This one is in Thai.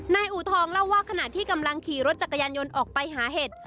อูทองเล่าว่าขณะที่กำลังขี่รถจักรยานยนต์ออกไปหาเห็ด